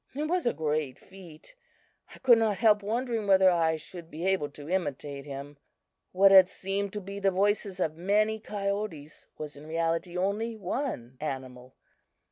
It was a great feat! I could not help wondering whether I should be able to imitate him. What had seemed to be the voices of many coyotes was in reality only one animal.